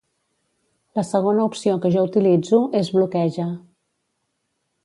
La segona opció que jo utilitzo és Bloqueja.